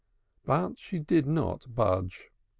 But she did not budge.